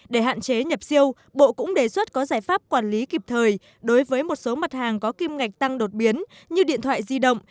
để hạn chế nhập siêu bộ cũng đề xuất có giải pháp quản lý kịp thời đối với một số mặt hàng có kim ngạch tăng đột biến như điện thoại di động